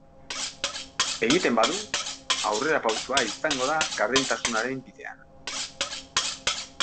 Egiten badu, aurrerapausoa izango da gardentasunaren bidean.